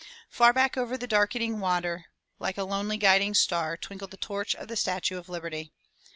Far back over the darkening water, like a lonely guiding star, twinkled the torch of the Statue of Liberty.